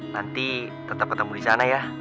nanti tetap ketemu di sana ya